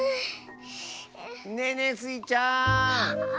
ねえねえスイちゃん！